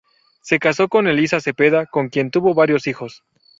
Se casó con Elisa Cepeda, con quien tuvo varios hijos.